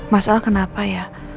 masalah kenapa ya